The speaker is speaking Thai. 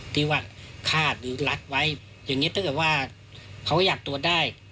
ที่ว่าคาดหรือลัดไว้อย่างนี้ต้องการว่าเขาก็หยัดตัวได้